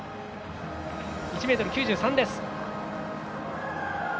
１ｍ９３です。